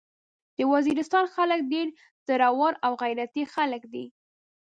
د وزيرستان خلک ډير زړور او غيرتي خلک دي.